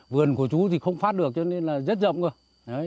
vườn của chú thì không phát được cho nên là rất rộng cơ